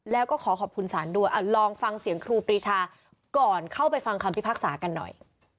แล้วก็ขอขอบคุณศาลด้วยลองฟังเสียงครูปรีชาก่อนเข้าไปฟังคำพิพากษากันหน่อย